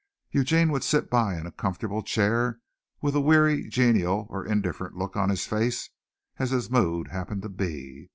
Eugene would sit by in a comfortable chair with a weary, genial or indifferent look on his face as his mood happened to be.